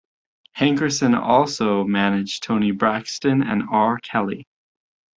Hankerson also managed Toni Braxton and R. Kelly.